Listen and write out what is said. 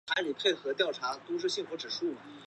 这些概念在不同的文化领域都能够被了解。